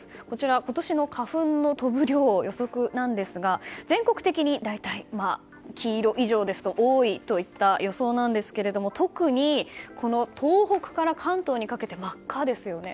今年の花粉の飛ぶ量の予測なんですが全国的に大体黄色以上の多いという予想ですが特に東北から関東にかけて真っ赤ですよね。